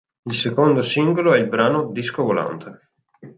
Il secondo singolo è il brano "Disco Volante".